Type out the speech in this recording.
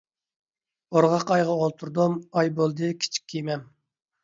ئورغاق ئايغا ئولتۇردۇم، ئاي بولدى كىچىك كېمەم.